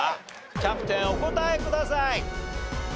キャプテンお答えください。